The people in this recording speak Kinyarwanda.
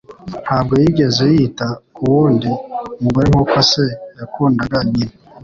Ntabwo yigeze yita ku wundi mugore nk'uko se yakundaga nyina.